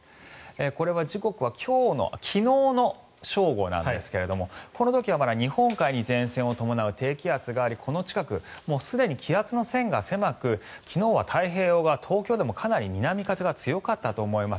これは時刻は昨日の正午なんですがこの時はまだ日本海に前線を伴う低気圧がありこの近くもうすでに気圧の線が狭く昨日は太平洋側東京でもかなり南風が強かったと思います。